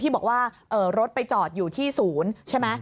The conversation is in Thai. บอกว่ารถไปจอดอยู่ที่ศูนย์ใช่ไหม